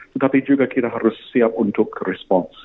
tetapi juga kita harus siap untuk respon